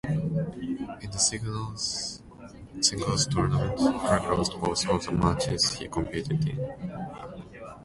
In the singles tournament, Flack lost both of the matches he competed in.